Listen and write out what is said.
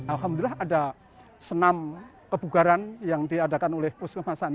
alhamdulillah ada senam kebugaran yang diadakan oleh puskemasan